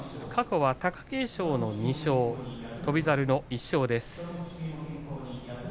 過去は貴景勝の２勝翔猿の１勝です。